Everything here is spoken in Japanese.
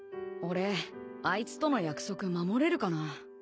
俺あいつとの約束守れるかな。